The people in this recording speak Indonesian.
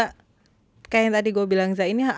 kayak yang tadi gue bilang zain ya